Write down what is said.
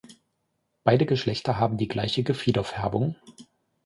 Beide Geschlechter haben die gleiche Gefiederfärbung.